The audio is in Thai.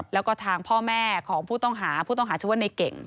แล้วก็ทางพ่อแม่ของผู้ต้องหาผู้ต้องหาชื่อว่าในเก่ง